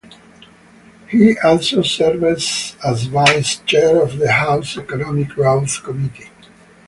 He also serves as vice chair of the House Economic Growth Committee.